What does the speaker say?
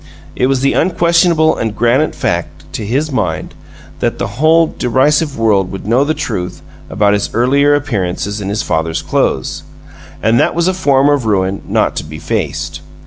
It was the unquestionable and granite fact, to his mind, that the whole derisive World would know the truth about his earlier appearances in his father's clothes. And that was a form of ruin not to be faced.